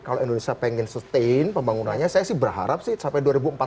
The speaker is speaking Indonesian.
kalau indonesia pengen sustain pembangunannya saya sih berharap sih sampai dua ribu empat puluh lima